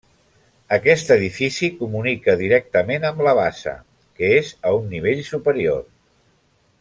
Aquest edifici comunica directament amb la bassa, que és a un nivell superior.